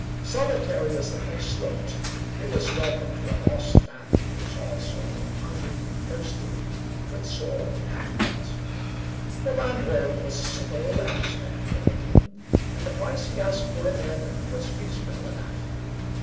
Solitary as the place looked, it was welcome to a lost man who was also hungry, thirsty, footsore, and wet. The landlord was civil and respectable looking; and the price he asked for a bed was reasonable enough.